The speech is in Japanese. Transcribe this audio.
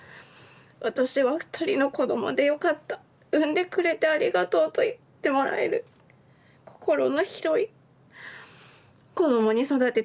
私は二人の子供で良かった生んでくれてありがとうと言ってもらえる心の広い子供に育てて下さいね